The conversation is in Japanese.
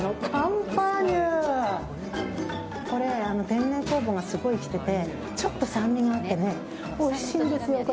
天然酵母がすごい生きててちょっと酸味があっておいしいんですよ。